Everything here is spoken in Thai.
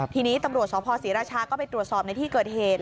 ทีนี้ตำรวจสภศรีราชาก็ไปตรวจสอบในที่เกิดเหตุ